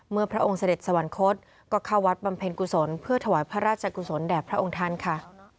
พระองค์เสด็จสวรรคตก็เข้าวัดบำเพ็ญกุศลเพื่อถวายพระราชกุศลแด่พระองค์ท่านค่ะ